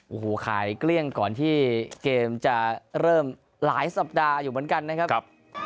โอ้โหขายเกลี้ยงก่อนที่เกมจะเริ่มหลายสัปดาห์อยู่เหมือนกันนะครับ